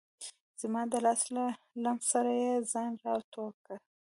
زما د لاس له لمس سره یې ځان را ټول کړ.